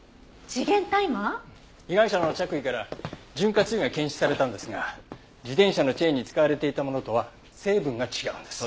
被害者の着衣から潤滑油が検出されたんですが自転車のチェーンに使われていたものとは成分が違うんです。